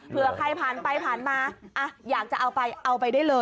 เพื่อใครผ่านไปผ่านมาอยากจะเอาไปเอาไปได้เลย